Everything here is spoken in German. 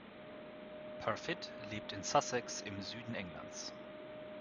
Parfitt lebt in Sussex im Süden Englands.